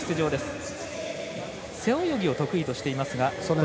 背泳ぎを得意としています。